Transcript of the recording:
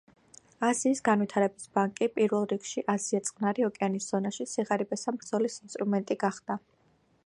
აზიის განვითარების ბანკი, პირველ რიგში, აზია-წყნარი ოკეანის ზონაში სიღარიბესთან ბრძოლის ინსტრუმენტი გახდა.